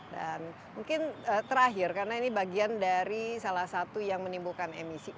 dan mungkin terakhir karena ini bagian dari salah satu yang menimbulkan emisi